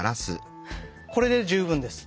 これで十分です。